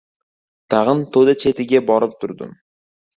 Tag‘in to‘da chetiga borib turdim.